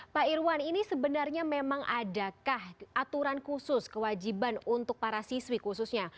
pak irwan ini sebenarnya memang adakah aturan khusus kewajiban untuk para siswi khususnya